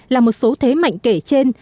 là một số thế mạnh kể trên